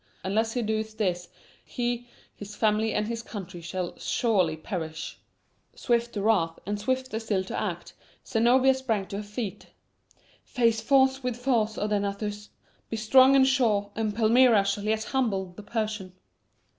Unless he doeth this, he, his family, and his country shall surely perish!'" Swift to wrath and swifter still to act, Zenobia sprang to her feet. "Face force with force, Odaenathus. Be strong and sure, and Palmyra shall yet humble the Persian."